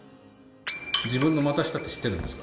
自分の股下って知ってるんですか？